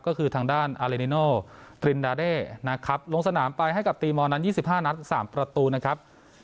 ก็คือทางด้านนะครับลงสนามไปให้กับนั้นยี่สิบห้านัดสามประตูนะครับ